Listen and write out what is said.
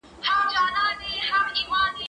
زه به سبا کتابتون ته راشم!؟